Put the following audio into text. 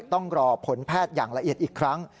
ต้องรอผลแพทย์อย่างละเอียดอีกครั้ง